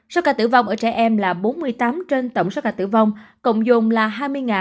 số ca tử vong ở trẻ em là bốn mươi tám trên tổng số ca tử vong cộng dồn là hai mươi ba trăm bảy mươi chín người